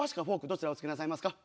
どちらおつけなさいますか？